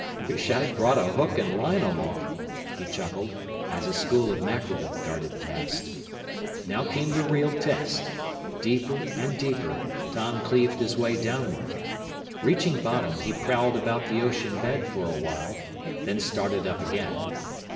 "Wish I'd brought a hook and line along." He chuckled, as a school of mackerel darted past. Now came the real test. Deeper and deeper, Tom cleaved his way downward. Reaching bottom, he prowled about the ocean bed for a while, then started up again.